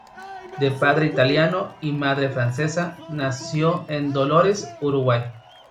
De padre italiano y madre francesa, nació en Dolores, Uruguay.